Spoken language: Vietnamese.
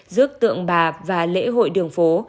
rước tượng bà và lễ hội đường phố